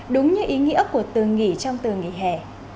đúng như ý nghĩa của từ nghỉ trong từ nghỉ hè